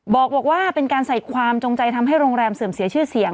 บอกว่าเป็นการใส่ความจงใจทำให้โรงแรมเสื่อมเสียชื่อเสียง